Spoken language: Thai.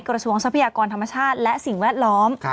ทรัพยากรธรรมชาติและสิ่งแวดล้อม